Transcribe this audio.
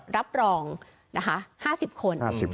รับรอง๕๐คน